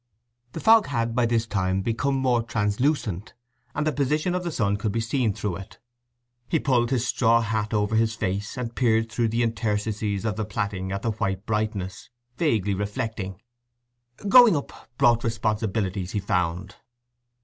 The fog had by this time become more translucent, and the position of the sun could be seen through it. He pulled his straw hat over his face, and peered through the interstices of the plaiting at the white brightness, vaguely reflecting. Growing up brought responsibilities, he found.